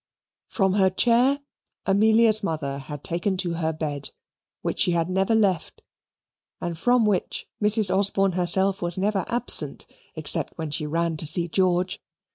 From her chair Amelia's mother had taken to her bed, which she had never left, and from which Mrs. Osborne herself was never absent except when she ran to see George.